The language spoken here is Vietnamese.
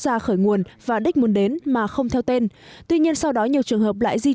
ra khởi nguồn và đích muốn đến mà không theo tên tuy nhiên sau đó nhiều trường hợp lại di